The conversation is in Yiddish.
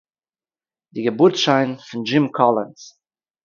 די געבורטס-שיין פון דזשים קאַלינס.